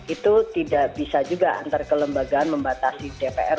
itu tidak bisa juga antar kelembagaan membatasi dpr